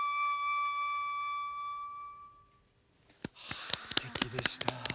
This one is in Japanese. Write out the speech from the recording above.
ああすてきでした。